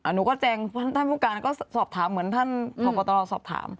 หนูก็แจ้งท่านผู้การก็สอบถามเหมือนท่านผอบตรสอบถาม